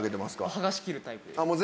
はがしきるタイプです。